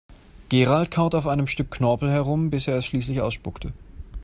Gerald kaute auf einem Stück Knorpel herum, bis er es schließlich ausspuckte.